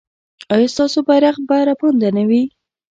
ایا ستاسو بیرغ به رپانده نه وي؟